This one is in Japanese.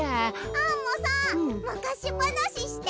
アンモさんむかしばなしして。